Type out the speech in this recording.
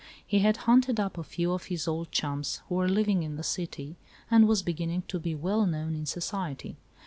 He had hunted up a few of his old chums, who were living in the city, and was beginning to be well known in society.